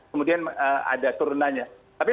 kemudian ada turunannya tapi